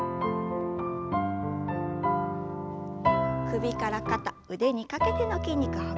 首から肩腕にかけての筋肉ほぐします。